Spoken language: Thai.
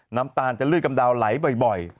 น้ำตาลจะลืดกำดาวไหลบ่อย